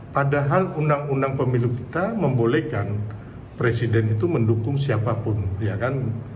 padahal undang undang pemilu kita membolehkan presiden itu mendukung siapapun ya kan